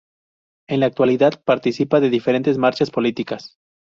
En la actualidad participa de diferentes marchas políticas.